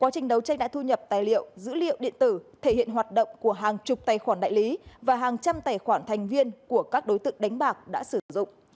trình đấu tranh đã thu nhập tài liệu dữ liệu điện tử thể hiện hoạt động của hàng chục tài khoản đại lý và hàng trăm tài khoản thành viên của các đối tượng đánh bạc đã sử dụng